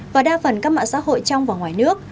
và đa phần các mạng xã hội trong và ngoài nước